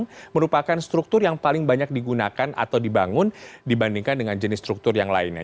ini merupakan struktur yang paling banyak digunakan atau dibangun dibandingkan dengan jenis struktur yang lainnya